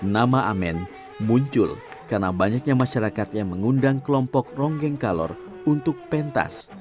nama amen muncul karena banyaknya masyarakat yang mengundang kelompok ronggeng kalor untuk pentas